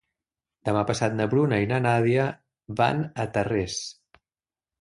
Demà passat na Bruna i na Nàdia van a Tarrés.